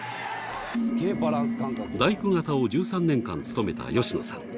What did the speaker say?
大工方を１３年間務めた吉野さん。